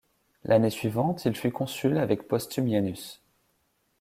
L'année suivante, il fut consul avec Postumianus.